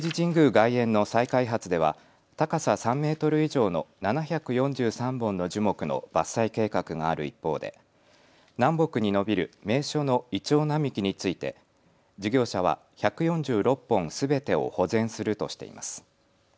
外苑の再開発では高さ３メートル以上の７４３本の樹木の伐採計画がある一方で南北に延びる名所のイチョウ並木について事業者は１４６本すべてを保全するとしています。